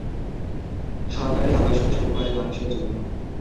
সরকারি আবাসন স্বল্প আয়ের মানুষের জন্য।